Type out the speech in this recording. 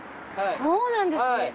そうなんですね。